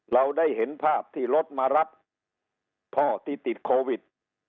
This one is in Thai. เราได้เห็นภาพที่รถมารับพ่อที่ติดโควิด